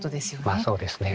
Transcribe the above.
まあそうですね